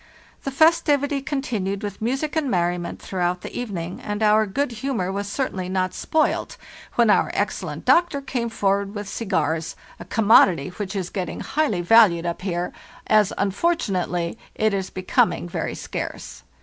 " The festivity continued with music and merriment throughout the evening, and our good humor was certain ly not spoiled when our excellent doctor came forward a commodity which is getting highly valued with cigars up here, as, unfortunately it is becoming very scarce.